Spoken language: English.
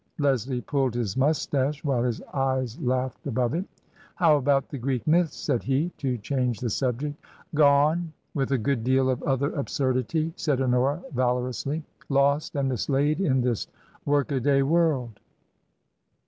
Leslie pulled his moustache, while his eyes laughed above it " How about the Greek myths ?" said he, to change the subject. " Gone, with a good deal of other absurdity," said Honora, valorously ;" lost and mislaid in this work a day world."